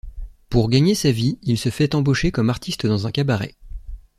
Pour gagner sa vie, il se fait embaucher comme artiste dans un cabaret.